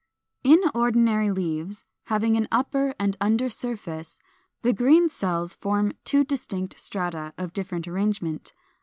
] 441. In ordinary leaves, having an upper and under surface, the green cells form two distinct strata, of different arrangement.